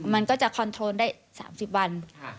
มันก็จะคอนโทรได้๓๐วัน